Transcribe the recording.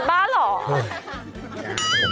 อะไรอ่ะสักทีบ้าหรอ